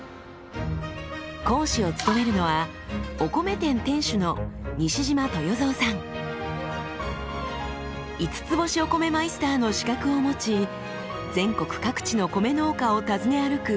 講師を務めるのは五ツ星お米マイスターの資格を持ち全国各地の米農家を訪ね歩く現場主義。